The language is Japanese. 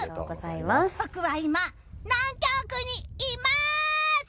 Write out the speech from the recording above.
僕は今、南極にいます！